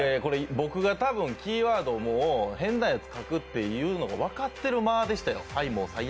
僕がキーワード、変なやつ書くって分かってる間でしたよ。